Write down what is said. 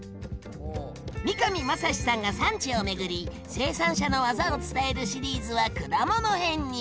三上真史さんが産地を巡り生産者のわざを伝えるシリーズは果物編に！